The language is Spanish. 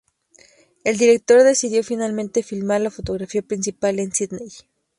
El director decidió finalmente filmar la fotografía principal en Sydney.